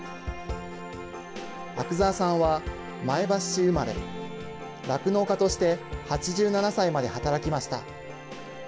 阿久澤さんは前橋市生まれ酪農家として８７歳まで働きました。